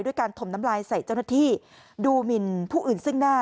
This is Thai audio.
การถมน้ำลายใส่เจ้าหน้าที่ดูหมินผู้อื่นซึ่งหน้า